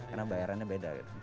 karena bayarannya beda gitu